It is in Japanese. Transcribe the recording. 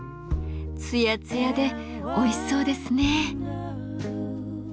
つやつやでおいしそうですね。